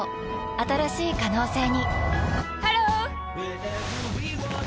新しい可能性にハロー！